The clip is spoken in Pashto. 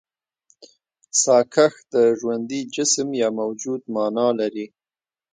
ساکښ د ژوندي جسم يا موجود مانا لري.